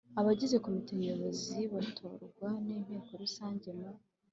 Abagize Komite Nyobozi batorwa n Inteko Rusange mu